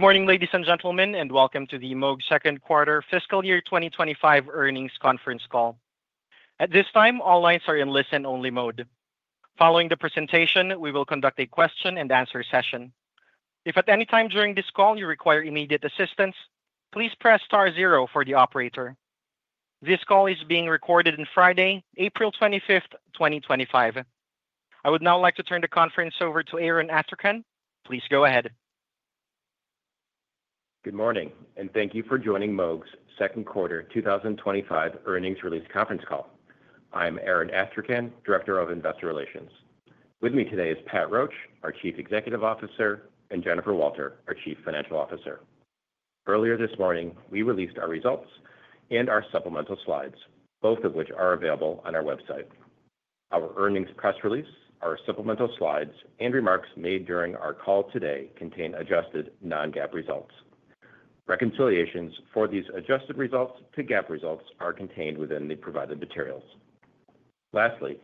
Good morning, ladies and gentlemen, and welcome to the Moog Second Quarter Fiscal year 2025 earnings conference call. At this time, all lines are in listen-only mode. Following the presentation, we will conduct a question-and-answer session. If at any time during this call you require immediate assistance, please press star zero for the operator. This call is being recorded on Friday, April 25th, 2025. I would now like to turn the conference over to Aaron Astrachan. Please go ahead. Good morning, and thank you for joining Moog's second quarter 2025 earnings release conference call. I'm Aaron Astrachan, Director of Investor Relations. With me today is Pat Roche, our Chief Executive Officer, and Jennifer Walter, our Chief Financial Officer. Earlier this morning, we released our results and our supplemental slides, both of which are available on our website. Our earnings press release, our supplemental slides, and remarks made during our call today contain adjusted non-GAAP results. Reconciliations for these adjusted results to GAAP results are contained within the provided materials. Lastly,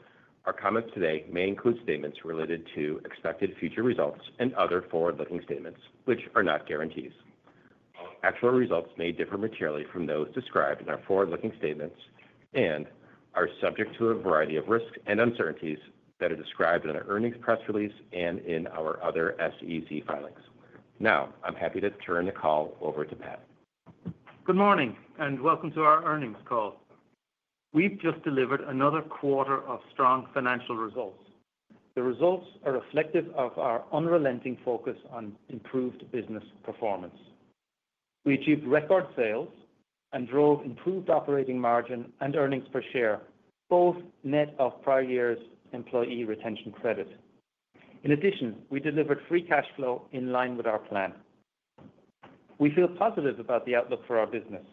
our comments today may include statements related to expected future results and other forward-looking statements, which are not guarantees. Our actual results may differ materially from those described in our forward-looking statements and are subject to a variety of risks and uncertainties that are described in our earnings press release and in our other SEC filings. Now, I'm happy to turn the call over to Pat. Good morning, and welcome to our earnings call. We've just delivered another quarter of strong financial results. The results are reflective of our unrelenting focus on improved business performance. We achieved record sales and drove improved operating margin and earnings per share, both net of prior year's employee retention credit. In addition, we delivered free cash flow in line with our plan. We feel positive about the outlook for our business.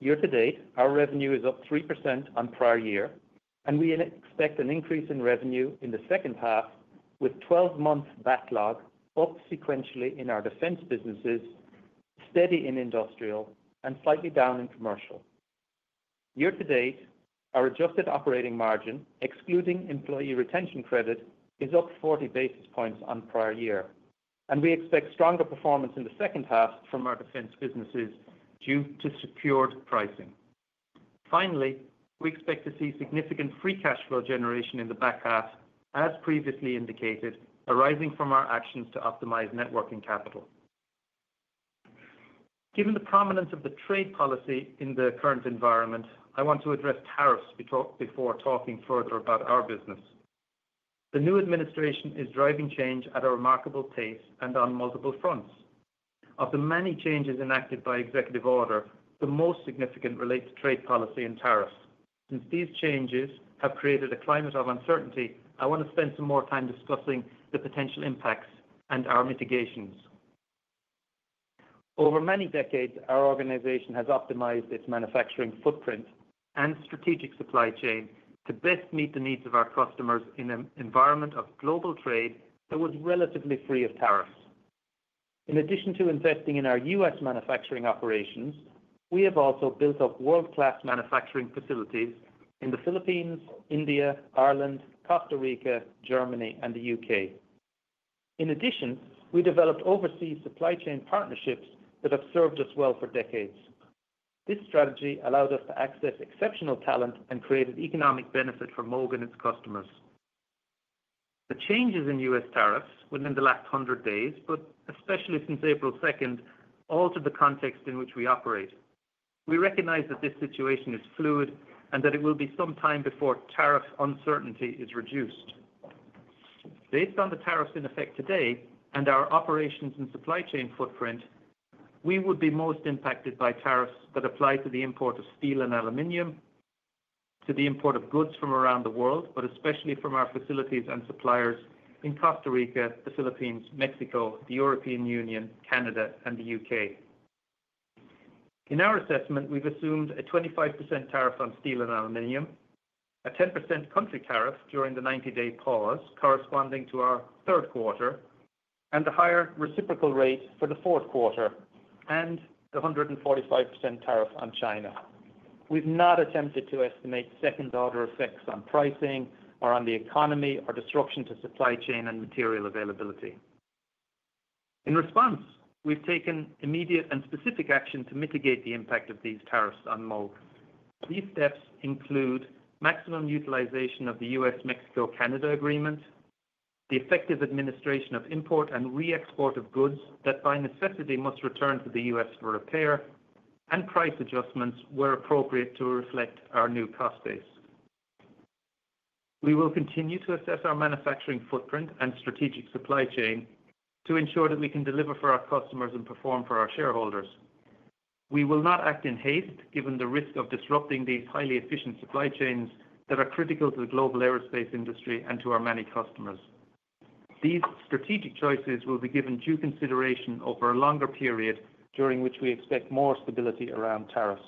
Year to date, our revenue is up 3% on prior year, and we expect an increase in revenue in the second half, with 12-month backlog up sequentially in our defense businesses, steady in industrial, and slightly down in commercial. Year to date, our adjusted operating margin, excluding employee retention credit, is up 40 basis points on prior year, and we expect stronger performance in the second half from our defense businesses due to secured pricing. Finally, we expect to see significant free cash flow generation in the back half, as previously indicated, arising from our actions to optimize networking capital. Given the prominence of the trade policy in the current environment, I want to address tariffs before talking further about our business. The new administration is driving change at a remarkable pace and on multiple fronts. Of the many changes enacted by executive order, the most significant relate to trade policy and tariffs. Since these changes have created a climate of uncertainty, I want to spend some more time discussing the potential impacts and our mitigations. Over many decades, our organization has optimized its manufacturing footprint and strategic supply chain to best meet the needs of our customers in an environment of global trade that was relatively free of tariffs. In addition to investing in our U.S. Manufacturing operations, we have also built up world-class manufacturing facilities in the Philippines, India, Ireland, Costa Rica, Germany, and the U.K. In addition, we developed overseas supply chain partnerships that have served us well for decades. This strategy allowed us to access exceptional talent and created economic benefit for Moog and its customers. The changes in U.S. tariffs within the last 100 days, but especially since April 2, altered the context in which we operate. We recognize that this situation is fluid and that it will be some time before tariff uncertainty is reduced. Based on the tariffs in effect today and our operations and supply chain footprint, we would be most impacted by tariffs that apply to the import of steel and aluminum, to the import of goods from around the world, but especially from our facilities and suppliers in Costa Rica, the Philippines, Mexico, the European Union, Canada, and the U.K. In our assessment, we've assumed a 25% tariff on steel and aluminum, a 10% country tariff during the 90-day pause corresponding to our third quarter, and a higher reciprocal rate for the fourth quarter, and the 145% tariff on China. We've not attempted to estimate second-order effects on pricing, or on the economy, or disruption to supply chain and material availability. In response, we've taken immediate and specific action to mitigate the impact of these tariffs on Moog. These steps include maximum utilization of the U.S.-Mexico-Canada Agreement, the effective administration of import and re-export of goods that by necessity must return to the U.S. for repair, and price adjustments where appropriate to reflect our new cost base. We will continue to assess our manufacturing footprint and strategic supply chain to ensure that we can deliver for our customers and perform for our shareholders. We will not act in haste given the risk of disrupting these highly efficient supply chains that are critical to the global aerospace industry and to our many customers. These strategic choices will be given due consideration over a longer period during which we expect more stability around tariffs.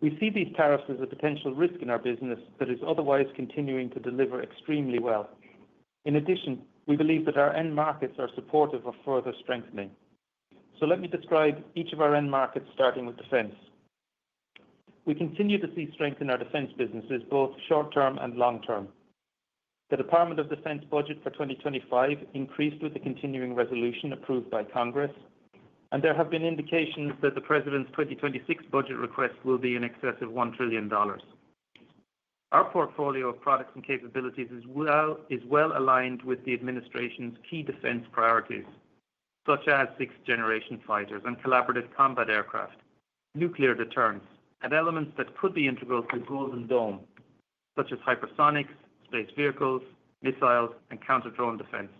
We see these tariffs as a potential risk in our business that is otherwise continuing to deliver extremely well. In addition, we believe that our end markets are supportive of further strengthening. Let me describe each of our end markets, starting with defense. We continue to see strength in our defense businesses, both short-term and long-term. The Department of Defense budget for 2025 increased with the continuing resolution approved by Congress, and there have been indications that the President's 2026 budget request will be in excess of $1 trillion. Our portfolio of products and capabilities is well aligned with the administration's key defense priorities, such as sixth-generation fighters and collaborative combat aircraft, nuclear deterrents, and elements that could be integral to Golden Dome, such as hypersonics, space vehicles, missiles, and counter-drone defense.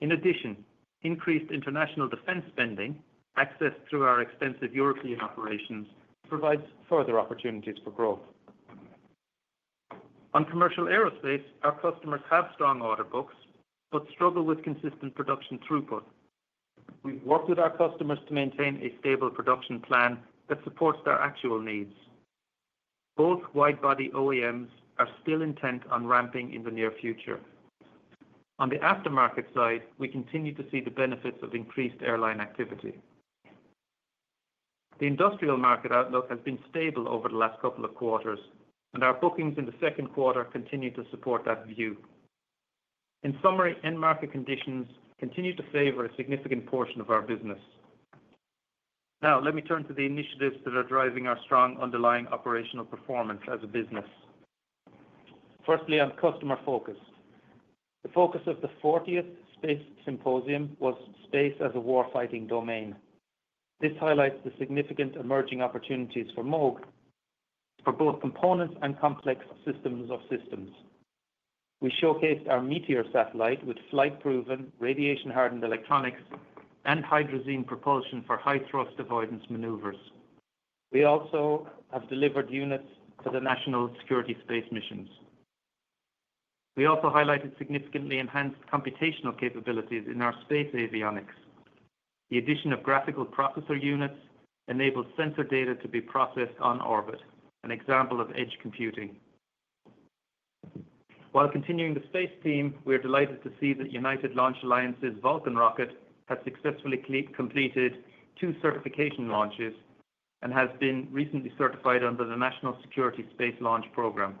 In addition, increased international defense spending accessed through our extensive European operations provides further opportunities for growth. On commercial aerospace, our customers have strong order books but struggle with consistent production throughput. We have worked with our customers to maintain a stable production plan that supports their actual needs. Both widebody OEMs are still intent on ramping in the near future. On the aftermarket side, we continue to see the benefits of increased airline activity. The industrial market outlook has been stable over the last couple of quarters, and our bookings in the second quarter continue to support that view. In summary, end market conditions continue to favor a significant portion of our business. Now, let me turn to the initiatives that are driving our strong underlying operational performance as a business. Firstly, on customer focus, the focus of the 40th Space Symposium was space as a warfighting domain. This highlights the significant emerging opportunities for Moog for both components and complex systems of systems. We showcased our Meteor satellite with flight-proven radiation-hardened electronics and hydrazine propulsion for high-thrust avoidance maneuvers. We also have delivered units for the National Security Space Missions. We also highlighted significantly enhanced computational capabilities in our space avionics. The addition of graphical processor units enables sensor data to be processed on orbit, an example of edge computing. While continuing the space team, we are delighted to see that United Launch Alliance's Vulcan rocket has successfully completed two certification launches and has been recently certified under the National Security Space Launch Program.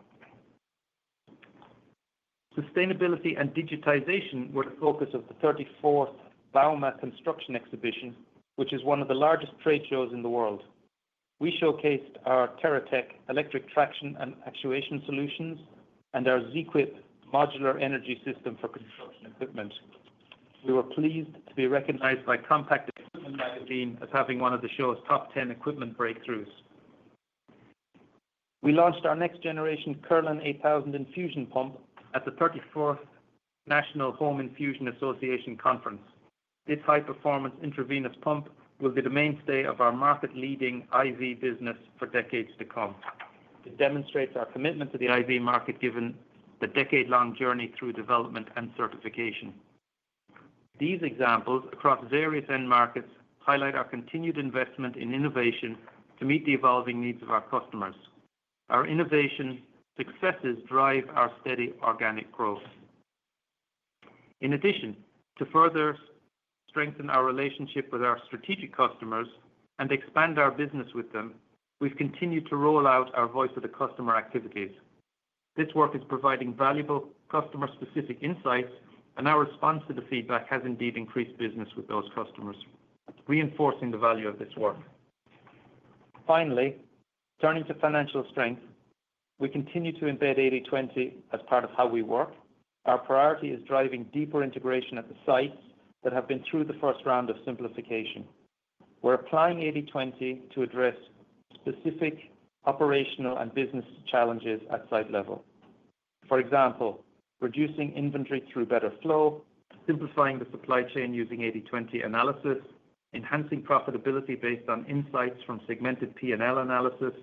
Sustainability and digitization were the focus of the 34th Bauma Construction Exhibition, which is one of the largest trade shows in the world. We showcased our TerraTech electric traction and actuation solutions and our ZQuip modular energy system for construction equipment. We were pleased to be recognized by Compact Equipment Magazine as having one of the show's top 10 equipment breakthroughs. We launched our next-generation Curlin 8000 infusion pump at the 34th National Home Infusion Association Conference. This high-performance intravenous pump will be the mainstay of our market-leading IV business for decades to come. It demonstrates our commitment to the IV market given the decade-long journey through development and certification. These examples across various end markets highlight our continued investment in innovation to meet the evolving needs of our customers. Our innovation successes drive our steady organic growth. In addition, to further strengthen our relationship with our strategic customers and expand our business with them, we've continued to roll out our voice of the customer activities. This work is providing valuable customer-specific insights, and our response to the feedback has indeed increased business with those customers, reinforcing the value of this work. Finally, turning to financial strength, we continue to embed 80/20 as part of how we work. Our priority is driving deeper integration at the sites that have been through the first round of simplification. We're applying 80/20 to address specific operational and business challenges at site level. For example, reducing inventory through better flow, simplifying the supply chain using 80/20 analysis, enhancing profitability based on insights from segmented P&L analysis,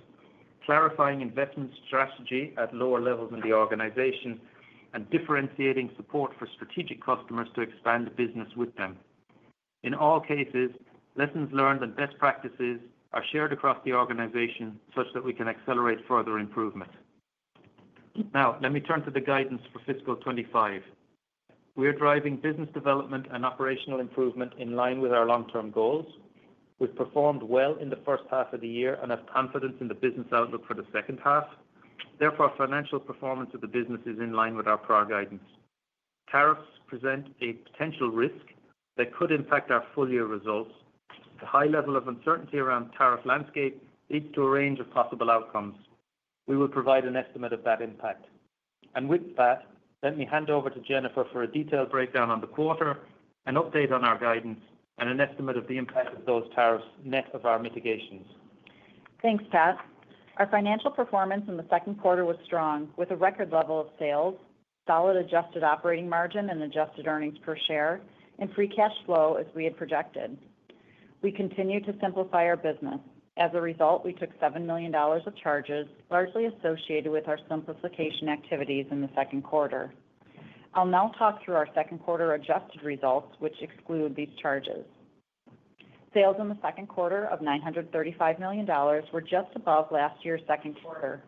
clarifying investment strategy at lower levels in the organization, and differentiating support for strategic customers to expand the business with them. In all cases, lessons learned and best practices are shared across the organization such that we can accelerate further improvement. Now, let me turn to the guidance for fiscal 2025. We are driving business development and operational improvement in line with our long-term goals. We've performed well in the first half of the year and have confidence in the business outlook for the second half. Therefore, financial performance of the business is in line with our prior guidance. Tariffs present a potential risk that could impact our full-year results. The high level of uncertainty around the tariff landscape leads to a range of possible outcomes. We will provide an estimate of that impact. With that, let me hand over to Jennifer for a detailed breakdown on the quarter, an update on our guidance, and an estimate of the impact of those tariffs net of our mitigations. Thanks, Pat. Our financial performance in the second quarter was strong with a record level of sales, solid adjusted operating margin and adjusted earnings per share, and free cash flow as we had projected. We continue to simplify our business. As a result, we took $7 million of charges largely associated with our simplification activities in the second quarter. I'll now talk through our second-quarter adjusted results, which exclude these charges. Sales in the second quarter of $935 million were just above last year's second quarter.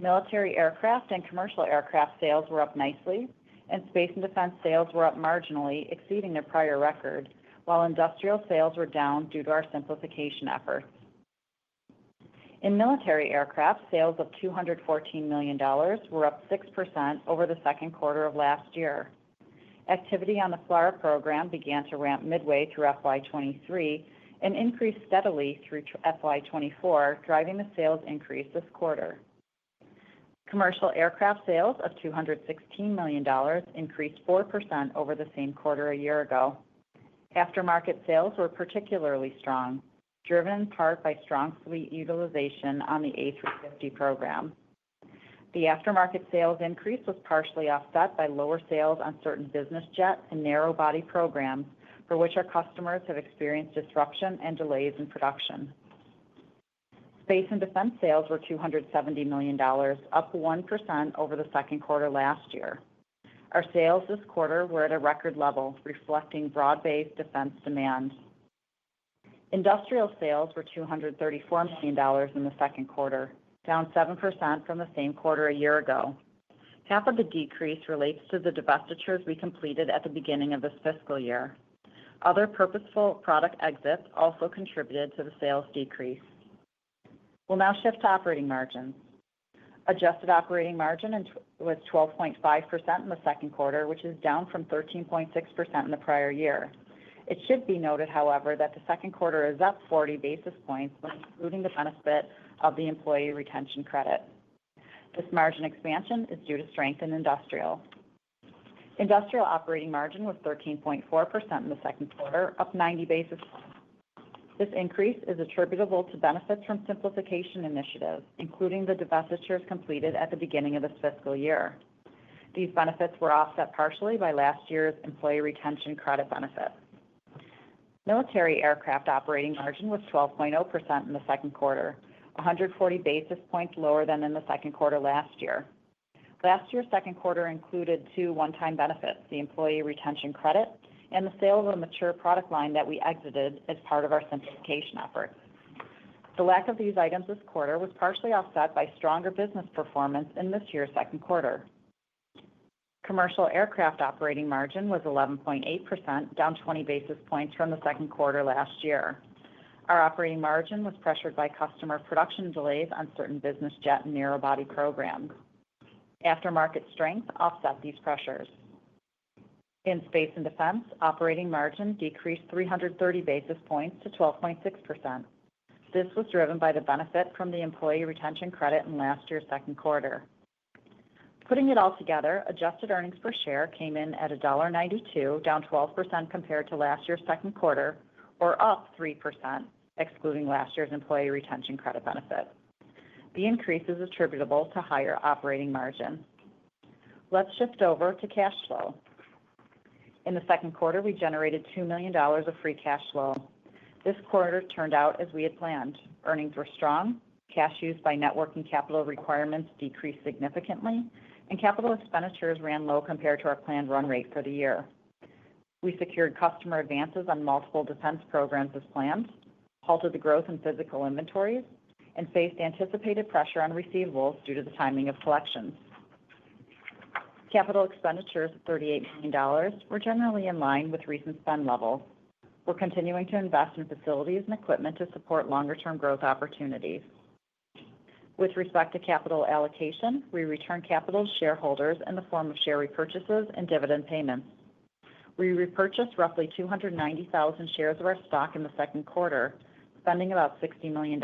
Military aircraft and commercial aircraft sales were up nicely, and space and defense sales were up marginally, exceeding their prior record, while industrial sales were down due to our simplification efforts. In military aircraft, sales of $214 million were up 6% over the second quarter of last year. Activity on the FLRAA program began to ramp midway through FY 2023 and increased steadily through FY 2024, driving the sales increase this quarter. Commercial aircraft sales of $216 million increased 4% over the same quarter a year ago. Aftermarket sales were particularly strong, driven in part by strong fleet utilization on the A350 program. The aftermarket sales increase was partially offset by lower sales on certain business jets and narrow-body programs, for which our customers have experienced disruption and delays in production. Space and defense sales were $270 million, up 1% over the second quarter last year. Our sales this quarter were at a record level, reflecting broad-based defense demand. Industrial sales were $234 million in the second quarter, down 7% from the same quarter a year ago. Half of the decrease relates to the divestitures we completed at the beginning of this fiscal year. Other purposeful product exits also contributed to the sales decrease. We'll now shift to operating margins. Adjusted operating margin was 12.5% in the second quarter, which is down from 13.6% in the prior year. It should be noted, however, that the second quarter is up 40 basis points when including the benefit of the employee retention credit. This margin expansion is due to strength in industrial. Industrial operating margin was 13.4% in the second quarter, up 90 basis points. This increase is attributable to benefits from simplification initiatives, including the divestitures completed at the beginning of this fiscal year. These benefits were offset partially by last year's employee retention credit benefit. Military aircraft operating margin was 12.0% in the second quarter, 140 basis points lower than in the second quarter last year. Last year's second quarter included two one-time benefits, the employee retention credit and the sale of a mature product line that we exited as part of our simplification efforts. The lack of these items this quarter was partially offset by stronger business performance in this year's second quarter. Commercial aircraft operating margin was 11.8%, down 20 basis points from the second quarter last year. Our operating margin was pressured by customer production delays on certain business jet and narrow-body programs. Aftermarket strength offset these pressures. In space and defense, operating margin decreased 330 basis points to 12.6%. This was driven by the benefit from the employee retention credit in last year's second quarter. Putting it all together, adjusted earnings per share came in at $1.92, down 12% compared to last year's second quarter, or up 3%, excluding last year's employee retention credit benefit. The increase is attributable to higher operating margin. Let's shift over to cash flow. In the second quarter, we generated $2 million of free cash flow. This quarter turned out as we had planned. Earnings were strong, cash used by networking capital requirements decreased significantly, and capital expenditures ran low compared to our planned run rate for the year. We secured customer advances on multiple defense programs as planned, halted the growth in physical inventories, and faced anticipated pressure on receivables due to the timing of collections. Capital expenditures of $38 million were generally in line with recent spend level. We're continuing to invest in facilities and equipment to support longer-term growth opportunities. With respect to capital allocation, we returned capital to shareholders in the form of share repurchases and dividend payments. We repurchased roughly 290,000 shares of our stock in the second quarter, spending about $60 million,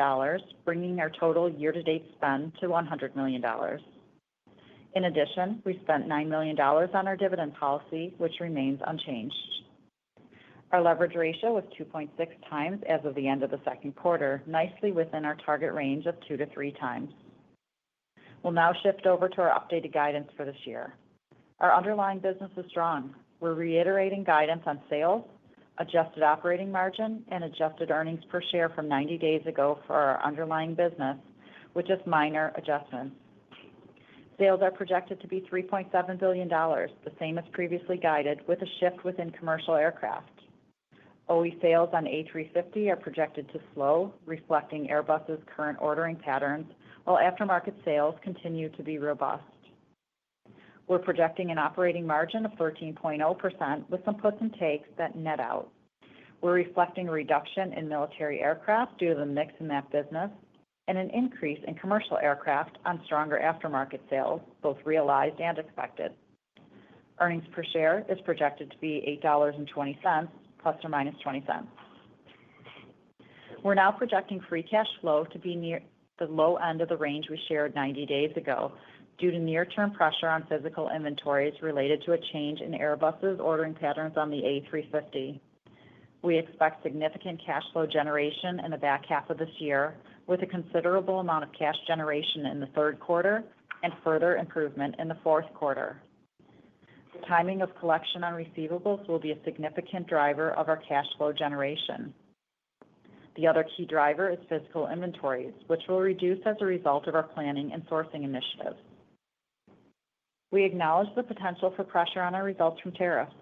bringing our total year-to-date spend to $100 million. In addition, we spent $9 million on our dividend policy, which remains unchanged. Our leverage ratio was 2.6 times as of the end of the second quarter, nicely within our target range of two to three times. We'll now shift over to our updated guidance for this year. Our underlying business is strong. We're reiterating guidance on sales, adjusted operating margin, and adjusted earnings per share from 90 days ago for our underlying business, with just minor adjustments. Sales are projected to be $3.7 billion, the same as previously guided, with a shift within commercial aircraft. OE sales on A350 are projected to slow, reflecting Airbus's current ordering patterns, while aftermarket sales continue to be robust. We're projecting an operating margin of 13.0% with some puts and takes that net out. We're reflecting a reduction in military aircraft due to the mix in that business and an increase in commercial aircraft on stronger aftermarket sales, both realized and expected. Earnings per share is projected to be $8.20 plus or minus $0.20. We're now projecting free cash flow to be near the low end of the range we shared 90 days ago due to near-term pressure on physical inventories related to a change in Airbus's ordering patterns on the A350. We expect significant cash flow generation in the back half of this year, with a considerable amount of cash generation in the third quarter and further improvement in the fourth quarter. The timing of collection on receivables will be a significant driver of our cash flow generation. The other key driver is physical inventories, which will reduce as a result of our planning and sourcing initiative. We acknowledge the potential for pressure on our results from tariffs.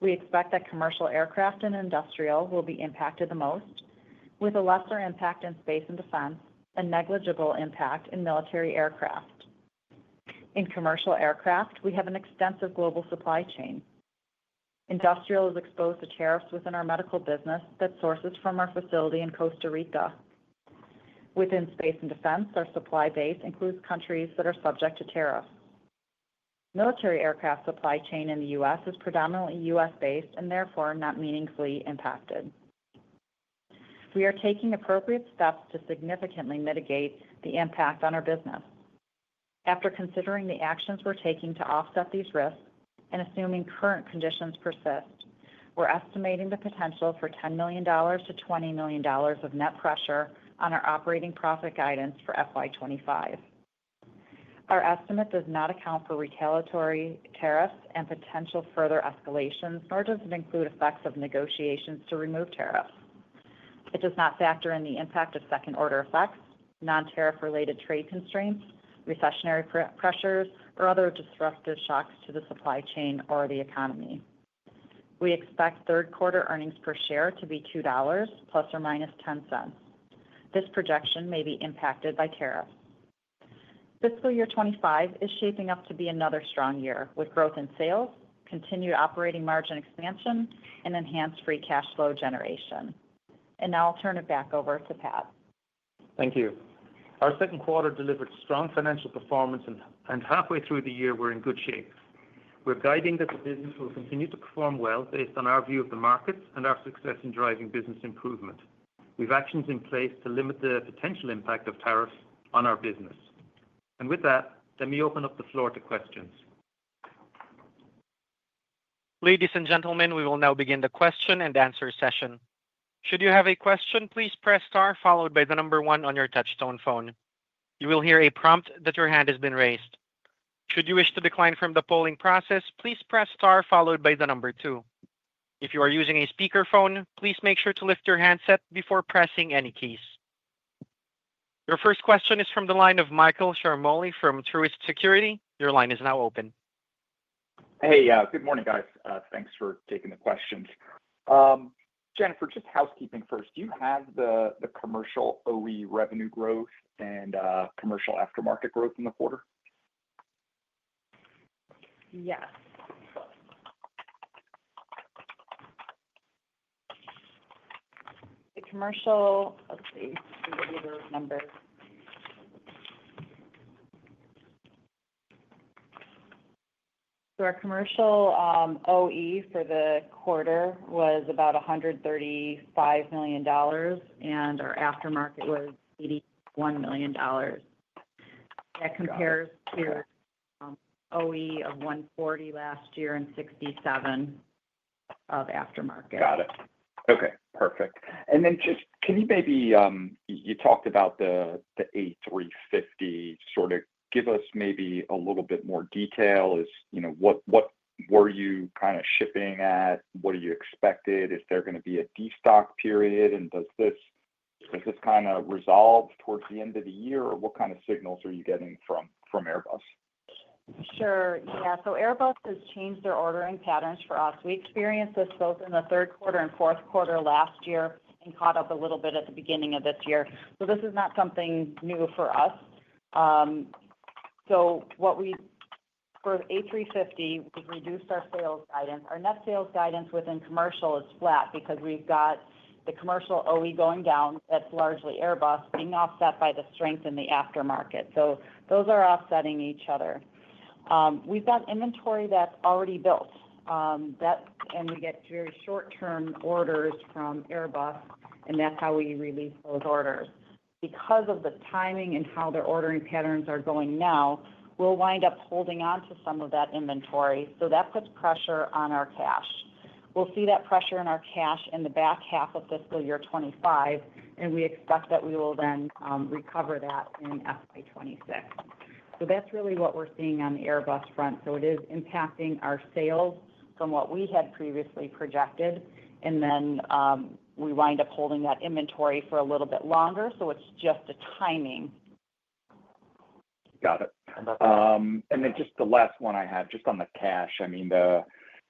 We expect that commercial aircraft and industrial will be impacted the most, with a lesser impact in space and defense and negligible impact in military aircraft. In commercial aircraft, we have an extensive global supply chain. Industrial is exposed to tariffs within our medical business that sources from our facility in Costa Rica. Within space and defense, our supply base includes countries that are subject to tariffs. Military aircraft supply chain in the U.S. is predominantly U.S.-based and therefore not meaningfully impacted. We are taking appropriate steps to significantly mitigate the impact on our business. After considering the actions we're taking to offset these risks and assuming current conditions persist, we're estimating the potential for $10 million-$20 million of net pressure on our operating profit guidance for FY25. Our estimate does not account for retaliatory tariffs and potential further escalations, nor does it include effects of negotiations to remove tariffs. It does not factor in the impact of second-order effects, non-tariff-related trade constraints, recessionary pressures, or other disruptive shocks to the supply chain or the economy. We expect third-quarter earnings per share to be $2 plus or minus $0.10. This projection may be impacted by tariffs. Fiscal year 2025 is shaping up to be another strong year with growth in sales, continued operating margin expansion, and enhanced free cash flow generation. I will now turn it back over to Pat. Thank you. Our second quarter delivered strong financial performance, and halfway through the year, we're in good shape. We're guiding that the business will continue to perform well based on our view of the markets and our success in driving business improvement. We have actions in place to limit the potential impact of tariffs on our business. With that, let me open up the floor to questions. Ladies and gentlemen, we will now begin the question and answer session. Should you have a question, please press star followed by the number one on your touch-tone phone. You will hear a prompt that your hand has been raised. Should you wish to decline from the polling process, please press star followed by the number two. If you are using a speakerphone, please make sure to lift your handset before pressing any keys. Your first question is from the line of Michael Ciarmoli from Truist Securities. Your line is now open. Hey, good morning, guys. Thanks for taking the questions. Jennifer, just housekeeping first. Do you have the commercial OE revenue growth and commercial aftermarket growth in the quarter? Yes. The commercial, let's see, we have a number. So our commercial OE for the quarter was about $135 million, and our aftermarket was $81 million. That compares to OE of $140 million last year and $67 million of aftermarket. Got it. Okay. Perfect. Can you maybe, you talked about the A350, sort of give us maybe a little bit more detail. What were you kind of shipping at? What do you expect? Is there going to be a destock period? Does this kind of resolve towards the end of the year? What kind of signals are you getting from Airbus? Sure. Yeah. Airbus has changed their ordering patterns for us. We experienced this both in the third quarter and fourth quarter last year and caught up a little bit at the beginning of this year. This is not something new for us. For A350, we've reduced our sales guidance. Our net sales guidance within commercial is flat because we've got the commercial OE going down, that's largely Airbus, being offset by the strength in the aftermarket. Those are offsetting each other. We've got inventory that's already built. We get very short-term orders from Airbus, and that's how we release those orders. Because of the timing and how their ordering patterns are going now, we'll wind up holding on to some of that inventory. That puts pressure on our cash. We'll see that pressure in our cash in the back half of fiscal year 2025, and we expect that we will then recover that in fiscal year 2026. That is really what we're seeing on the Airbus front. It is impacting our sales from what we had previously projected, and then we wind up holding that inventory for a little bit longer. It is just the timing. Got it. And then just the last one I had, just on the cash. I mean,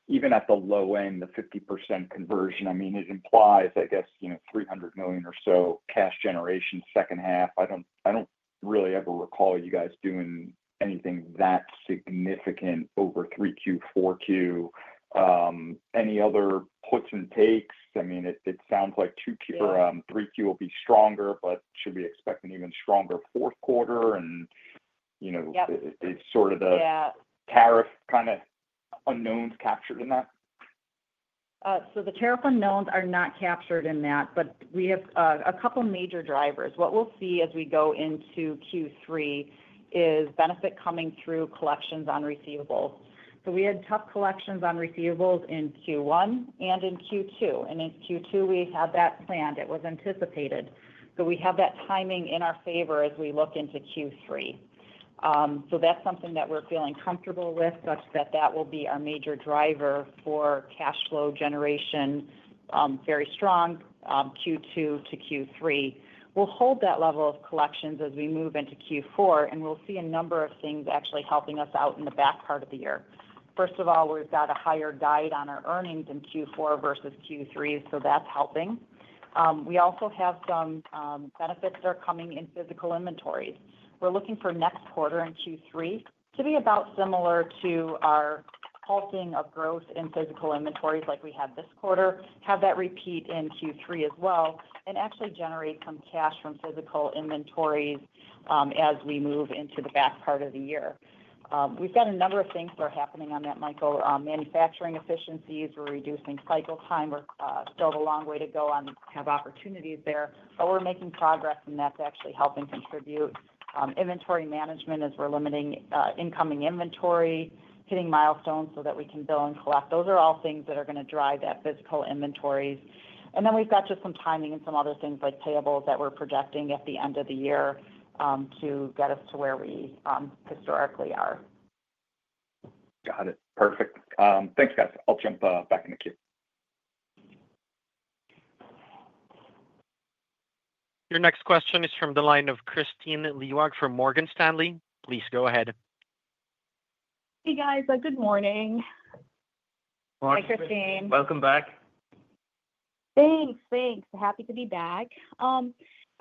even at the low end, the 50% conversion, I mean, it implies, I guess, $300 million or so cash generation second half. I do not really ever recall you guys doing anything that significant over 3Q, 4Q. Any other puts and takes? I mean, it sounds like 3Q will be stronger, but should we expect an even stronger fourth quarter? And it is sort of the tariff kind of unknowns captured in that? The tariff unknowns are not captured in that, but we have a couple of major drivers. What we'll see as we go into Q3 is benefit coming through collections on receivables. We had tough collections on receivables in Q1 and in Q2. In Q2, we had that planned. It was anticipated. We have that timing in our favor as we look into Q3. That's something that we're feeling comfortable with, such that that will be our major driver for cash flow generation, very strong Q2 to Q3. We'll hold that level of collections as we move into Q4, and we'll see a number of things actually helping us out in the back part of the year. First of all, we've got a higher guide on our earnings in Q4 versus Q3, so that's helping. We also have some benefits that are coming in physical inventories. We're looking for next quarter in Q3 to be about similar to our halting of growth in physical inventories like we had this quarter, have that repeat in Q3 as well, and actually generate some cash from physical inventories as we move into the back part of the year. We've got a number of things that are happening on that, Michael. Manufacturing efficiencies, we're reducing cycle time. We're still a long way to go on. Have opportunities there, but we're making progress, and that's actually helping contribute. Inventory management as we're limiting incoming inventory, hitting milestones so that we can bill and collect. Those are all things that are going to drive that physical inventories. We've got just some timing and some other things like payables that we're projecting at the end of the year to get us to where we historically are. Got it. Perfect. Thanks, guys. I'll jump back in the queue. Your next question is from the line of Kristine Liwag for Morgan Stanley. Please go ahead. Hey, guys. Good morning. Morning, Kristine. Welcome back. Thanks. Thanks. Happy to be back.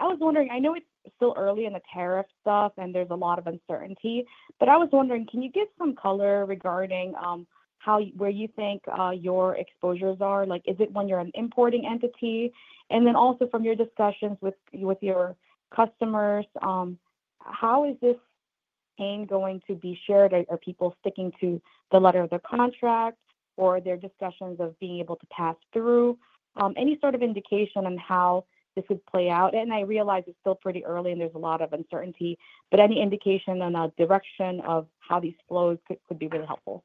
I was wondering, I know it's still early in the tariff stuff, and there's a lot of uncertainty, but I was wondering, can you give some color regarding where you think your exposures are? Is it when you're an importing entity? Also, from your discussions with your customers, how is this pain going to be shared? Are people sticking to the letter of the contract or are there discussions of being able to pass through? Any sort of indication on how this would play out? I realize it's still pretty early and there's a lot of uncertainty, but any indication on the direction of how these flows could be really helpful?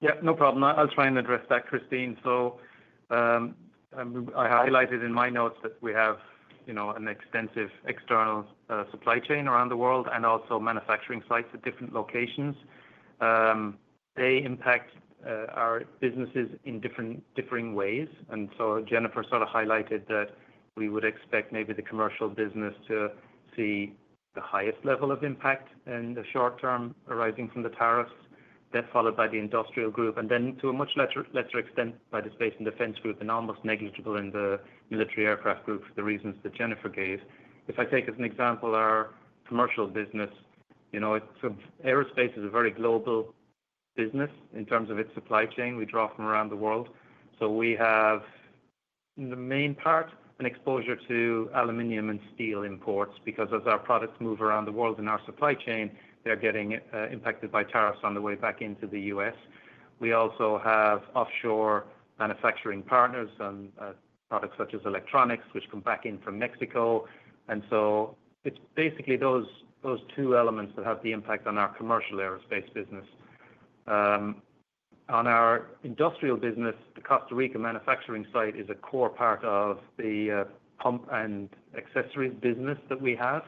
Yeah. No problem. I'll try and address that, Christine. I highlighted in my notes that we have an extensive external supply chain around the world and also manufacturing sites at different locations. They impact our businesses in differing ways. Jennifer sort of highlighted that we would expect maybe the commercial business to see the highest level of impact in the short term arising from the tariffs, followed by the industrial group, and to a much lesser extent by the space and defense group and almost negligible in the military aircraft group for the reasons that Jennifer gave. If I take as an example our commercial business, aerospace is a very global business in terms of its supply chain. We draw from around the world. We have, in the main part, an exposure to aluminum and steel imports because as our products move around the world in our supply chain, they're getting impacted by tariffs on the way back into the U.S. We also have offshore manufacturing partners and products such as electronics, which come back in from Mexico. It is basically those two elements that have the impact on our commercial aerospace business. On our industrial business, the Costa Rica manufacturing site is a core part of the pump and accessories business that we have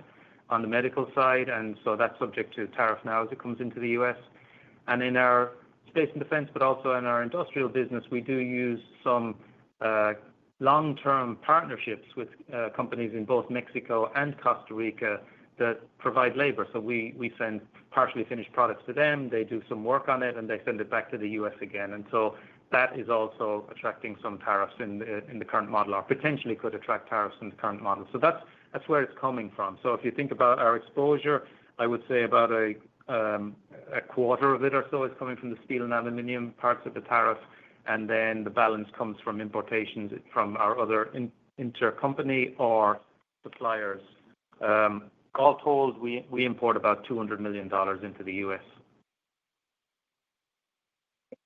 on the medical side. That is subject to tariff now as it comes into the U.S. In our space and defense, but also in our industrial business, we do use some long-term partnerships with companies in both Mexico and Costa Rica that provide labor. We send partially finished products to them. They do some work on it, and they send it back to the U.S. again. That is also attracting some tariffs in the current model or potentially could attract tariffs in the current model. That is where it's coming from. If you think about our exposure, I would say about a quarter of it or so is coming from the steel and aluminum parts of the tariff, and then the balance comes from importations from our other intercompany or suppliers. All told, we import about $200 million into the U.S.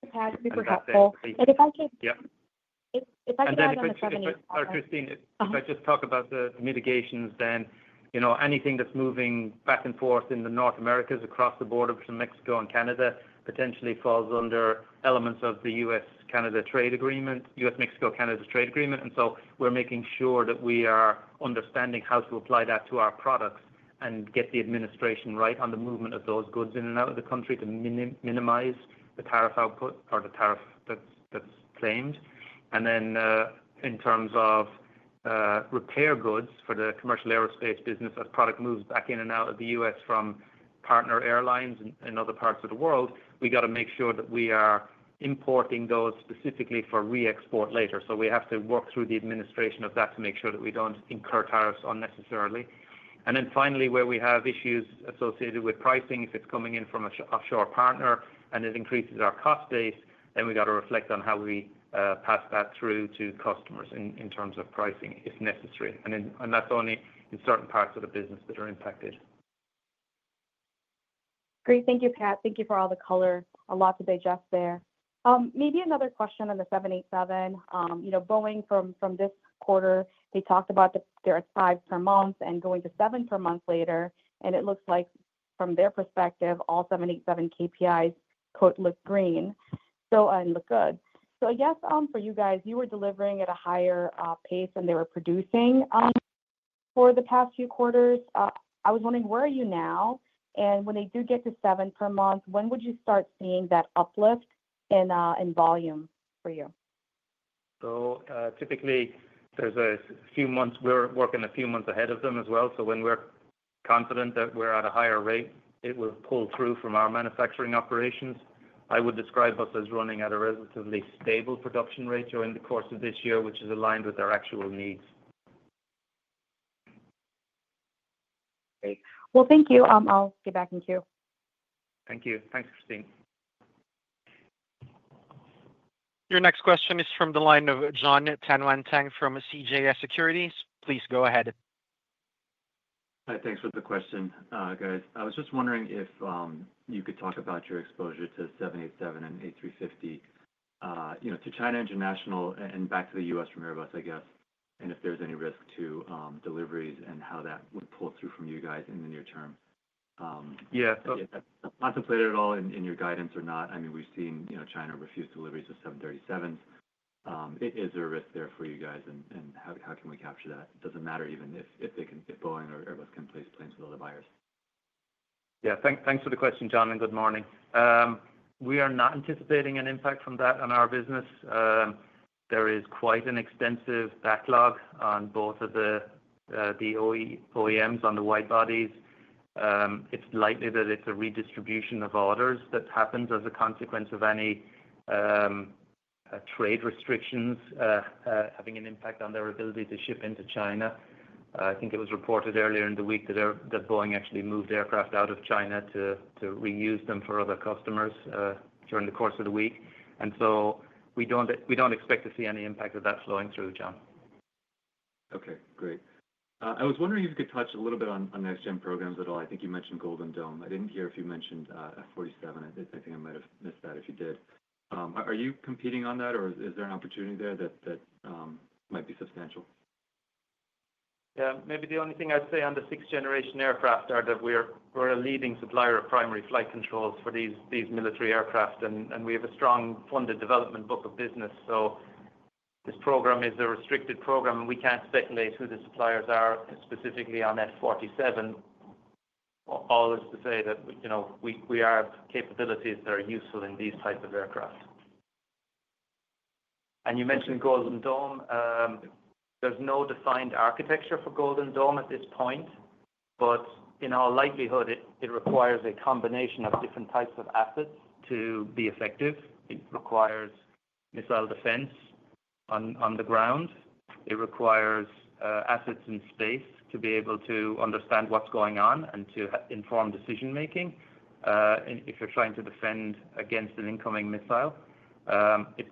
Thanks, Pat. Super helpful. Thanks. Please. If I can. Yeah. If I can. If I can. Sorry, Christine. Sorry, Kristine. If I just talk about the mitigations, anything that's moving back and forth in the North Americas across the border between Mexico and Canada potentially falls under elements of the US-Canada trade agreement, US-Mexico-Canada trade agreement. We are making sure that we are understanding how to apply that to our products and get the administration right on the movement of those goods in and out of the country to minimize the tariff output or the tariff that's claimed. In terms of repair goods for the commercial aerospace business, as product moves back in and out of the U.S. from partner airlines and other parts of the world, we got to make sure that we are importing those specifically for re-export later. We have to work through the administration of that to make sure that we do not incur tariffs unnecessarily. Finally, where we have issues associated with pricing, if it is coming in from an offshore partner and it increases our cost base, then we have to reflect on how we pass that through to customers in terms of pricing if necessary. That is only in certain parts of the business that are impacted. Great. Thank you, Pat. Thank you for all the color. A lot to digest there. Maybe another question on the 787. Boeing, from this quarter, they talked about their 5 per month and going to 7 per month later. It looks like, from their perspective, all 787 KPIs look green and look good. I guess for you guys, you were delivering at a higher pace than they were producing for the past few quarters. I was wondering, where are you now? When they do get to 7 per month, when would you start seeing that uplift in volume for you? Typically, there's a few months we're working a few months ahead of them as well. When we're confident that we're at a higher rate, it will pull through from our manufacturing operations. I would describe us as running at a relatively stable production rate during the course of this year, which is aligned with our actual needs. Great. Thank you. I'll get back in queue. Thank you. Thanks, Kristine. Your next question is from the line of Jon Tanwanteng from CJS Securities. Please go ahead. Hi. Thanks for the question, guys. I was just wondering if you could talk about your exposure to 787 and A350 to China International and back to the U.S. from Airbus, I guess, and if there's any risk to deliveries and how that would pull through from you guys in the near term. Yeah. If that's contemplated at all in your guidance or not. I mean, we've seen China refuse deliveries of 737s. Is there a risk there for you guys, and how can we capture that? Does it matter even if Boeing or Airbus can place planes with other buyers? Yeah. Thanks for the question, Jon, and good morning. We are not anticipating an impact from that on our business. There is quite an extensive backlog on both of the OEMs, on the wide bodies. It's likely that it's a redistribution of orders that happens as a consequence of any trade restrictions having an impact on their ability to ship into China. I think it was reported earlier in the week that Boeing actually moved aircraft out of China to reuse them for other customers during the course of the week. We don't expect to see any impact of that flowing through, Jon. Okay. Great. I was wondering if you could touch a little bit on next-gen programs at all. I think you mentioned Golden Dome. I did not hear if you mentioned F-47. I think I might have missed that if you did. Are you competing on that, or is there an opportunity there that might be substantial? Yeah. Maybe the only thing I'd say on the sixth-generation aircraft are that we're a leading supplier of primary flight controls for these military aircraft, and we have a strong funded development book of business. This program is a restricted program, and we can't speculate who the suppliers are specifically on F-47. All is to say that we have capabilities that are useful in these types of aircraft. You mentioned Golden Dome. There's no defined architecture for Golden Dome at this point, but in all likelihood, it requires a combination of different types of assets to be effective. It requires missile defense on the ground. It requires assets in space to be able to understand what's going on and to inform decision-making if you're trying to defend against an incoming missile. It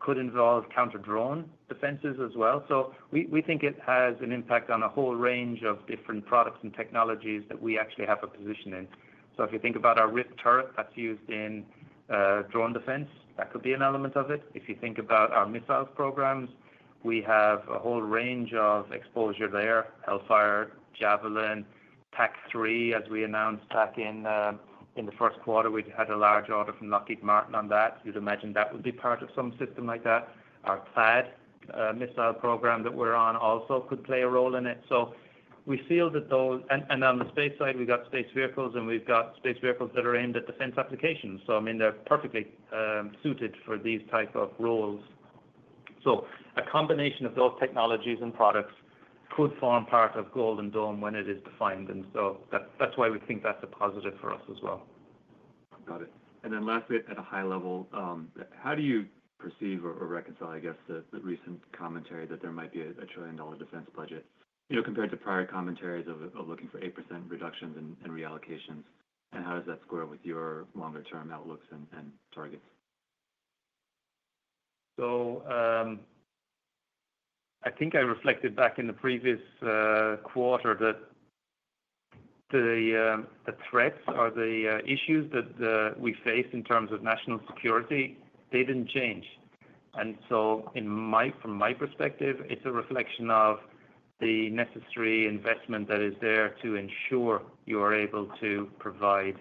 could involve counter-drone defenses as well. We think it has an impact on a whole range of different products and technologies that we actually have a position in. If you think about our RIwP turret that's used in drone defense, that could be an element of it. If you think about our missile programs, we have a whole range of exposure there: Hellfire, Javelin, PAC-3, as we announced back in the first quarter. We had a large order from Lockheed Martin on that. You'd imagine that would be part of some system like that. Our THAAD missile program that we're on also could play a role in it. We feel that those—and on the space side, we've got space vehicles, and we've got space vehicles that are aimed at defense applications. I mean, they're perfectly suited for these types of roles. A combination of those technologies and products could form part of Golden Dome when it is defined. That is why we think that is a positive for us as well. Got it. Lastly, at a high level, how do you perceive or reconcile, I guess, the recent commentary that there might be a trillion-dollar defense budget compared to prior commentaries of looking for 8% reductions and reallocations? How does that square with your longer-term outlooks and targets? I think I reflected back in the previous quarter that the threats or the issues that we face in terms of national security, they did not change. From my perspective, it is a reflection of the necessary investment that is there to ensure you are able to provide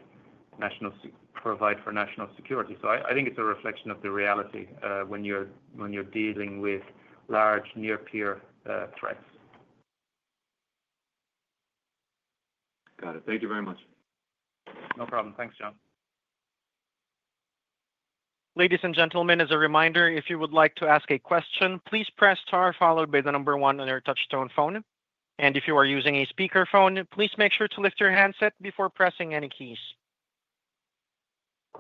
for national security. I think it is a reflection of the reality when you are dealing with large, near-peer threats. Got it. Thank you very much. No problem. Thanks, John. Ladies and gentlemen, as a reminder, if you would like to ask a question, please press star followed by the number one on your touchstone phone. If you are using a speakerphone, please make sure to lift your handset before pressing any keys.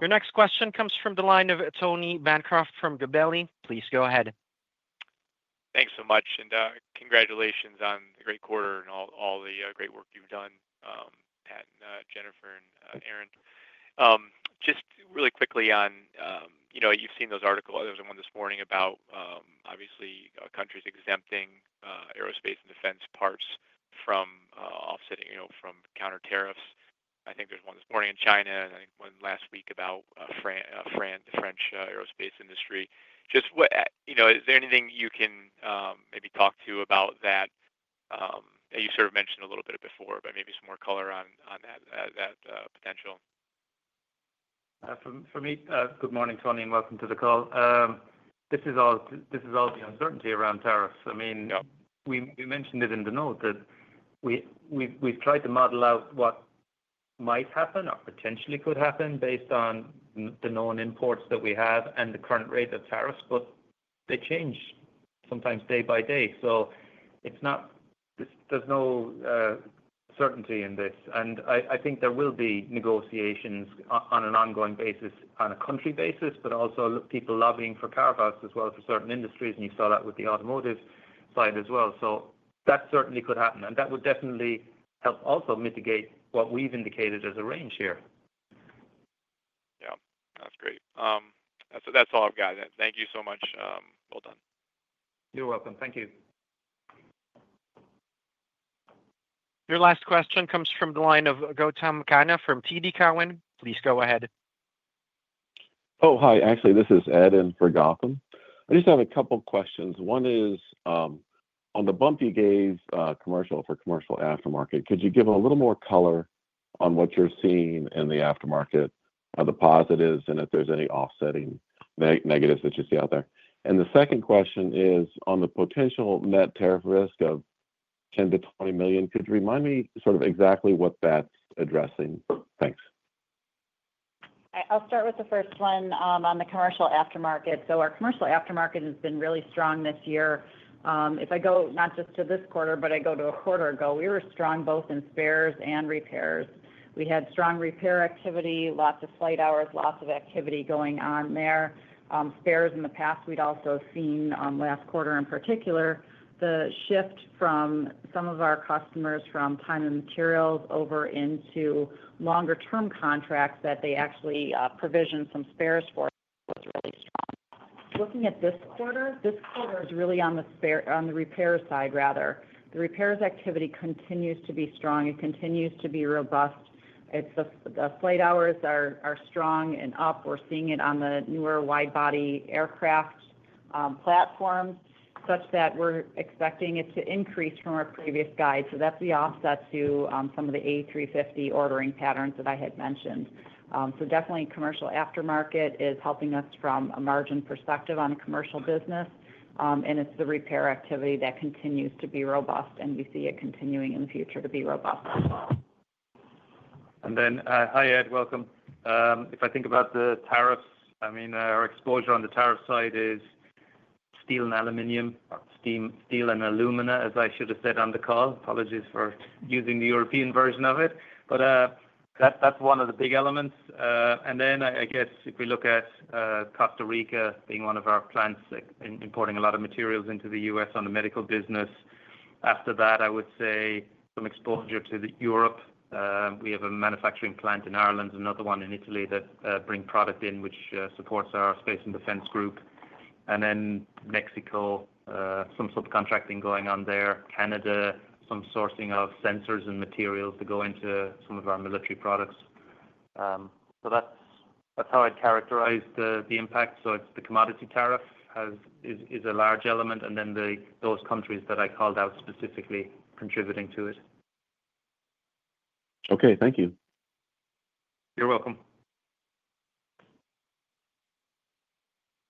Your next question comes from the line of Tony Bancroft from Gabelli. Please go ahead. Thanks so much. Congratulations on the great quarter and all the great work you've done, Pat, and Jennifer, and Aaron. Just really quickly on—you've seen those articles. There was one this morning about, obviously, countries exempting aerospace and defense parts from counter-tariffs. I think there's one this morning in China, and I think one last week about the French aerospace industry. Is there anything you can maybe talk to about that? You sort of mentioned a little bit of it before, but maybe some more color on that potential. For me, good morning, Tony, and welcome to the call. This is all the uncertainty around tariffs. I mean, we mentioned it in the note that we've tried to model out what might happen or potentially could happen based on the known imports that we have and the current rate of tariffs, but they change sometimes day by day. There is no certainty in this. I think there will be negotiations on an ongoing basis, on a country basis, but also people lobbying for tariffs as well for certain industries. You saw that with the automotive side as well. That certainly could happen. That would definitely help also mitigate what we've indicated as a range here. Yeah. That's great. That's all I've got. Thank you so much. Well done. You're welcome. Thank you. Your last question comes from the line of Gautam Khanna from TD Cowen. Please go ahead. Oh, hi. Actually, this is Ed in for Gautam. I just have a couple of questions. One is, on the bumpy days for commercial aftermarket, could you give a little more color on what you're seeing in the aftermarket, the positives, and if there's any offsetting negatives that you see out there? The second question is on the potential net tariff risk of $10 million-$20 million. Could you remind me sort of exactly what that's addressing? Thanks. I'll start with the first one on the commercial aftermarket. Our commercial aftermarket has been really strong this year. If I go not just to this quarter, but I go to a quarter ago, we were strong both in spares and repairs. We had strong repair activity, lots of flight hours, lots of activity going on there. Spares in the past, we'd also seen last quarter in particular, the shift from some of our customers from time and materials over into longer-term contracts that they actually provisioned some spares for was really strong. Looking at this quarter, this quarter is really on the repair side rather. The repairs activity continues to be strong. It continues to be robust. The flight hours are strong and up. We're seeing it on the newer wide-body aircraft platforms such that we're expecting it to increase from our previous guide. That's the offset to some of the A350 ordering patterns that I had mentioned. Definitely, commercial aftermarket is helping us from a margin perspective on commercial business, and it's the repair activity that continues to be robust, and we see it continuing in the future to be robust. Hi, Ed. Welcome. If I think about the tariffs, I mean, our exposure on the tariff side is steel and aluminum, steel and alumina, as I should have said on the call. Apologies for using the European version of it. That is one of the big elements. If we look at Costa Rica being one of our clients importing a lot of materials into the U.S. on the medical business. After that, I would say some exposure to Europe. We have a manufacturing plant in Ireland, another one in Italy that brings product in, which supports our space and defense group. Mexico, some subcontracting going on there. Canada, some sourcing of sensors and materials to go into some of our military products. That is how I would characterize the impact. The commodity tariff is a large element, and then those countries that I called out specifically contributing to it. Okay. Thank you. You're welcome.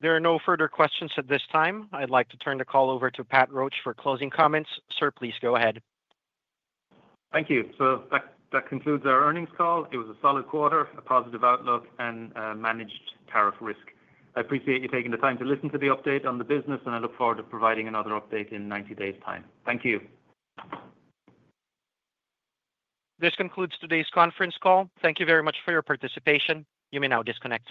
There are no further questions at this time. I'd like to turn the call over to Pat Roche for closing comments. Sir, please go ahead. Thank you. That concludes our earnings call. It was a solid quarter, a positive outlook, and managed tariff risk. I appreciate you taking the time to listen to the update on the business, and I look forward to providing another update in 90 days' time. Thank you. This concludes today's conference call. Thank you very much for your participation. You may now disconnect.